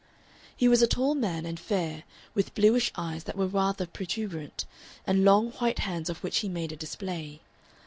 He was a tall man and fair, with bluish eyes that were rather protuberant, and long white hands of which he made a display.